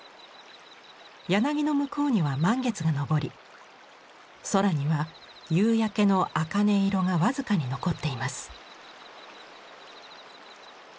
柳の向こうには満月が昇り空には夕焼けの茜色が僅かに残っています。